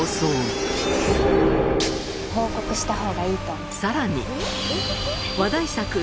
報告した方がいいと思って。